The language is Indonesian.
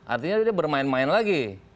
artinya dia bermain main lagi